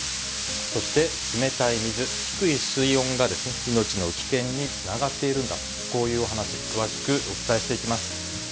そして冷たい水、低い水温がですね、命の危険につながっているんだと、こういうお話、詳しくお伝えしていきます。